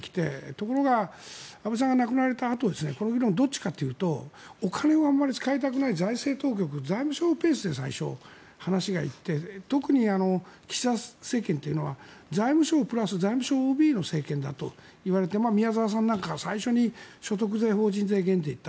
ところが、安倍さんが亡くなられたあとこの議論、どっちかというとお金をあまり使いたくない財政当局、財務省ベースで話が行って特に岸田政権というのは財務省プラス財務省ＯＢの政権だといわれて宮沢さんなんかは最初に所得税、法人税減税といった。